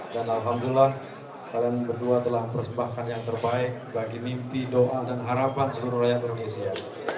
dan alhamdulillah kalian berdua telah menyebabkan yang terbaik bagi mimpi doa dan harapan seluruh rakyat indonesia